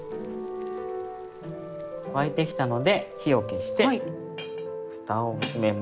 沸いてきたので火を消してふたを閉めます。